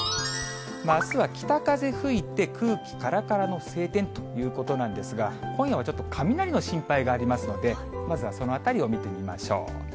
あすは北風吹いて、空気からからの晴天ということなんですが、今夜はちょっと雷の心配がありますので、まずはそのあたりを見てみましょう。